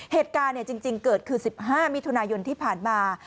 เหตุการณ์จริงเกิดคือ๑๕มิถุนายนที่ผ่านมา